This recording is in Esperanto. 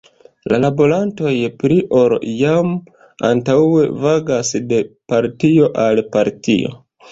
La balotantoj pli ol iam antaŭe vagas de partio al partio.